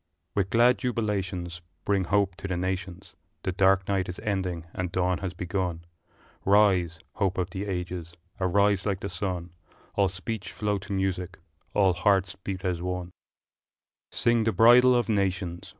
With glad jubilations Bring hope to the nations The dark night is ending and dawn has begun Rise, hope of the ages, arise like the sun, All speech flow to music, all hearts beat as one! II. Sing the bridal of nations!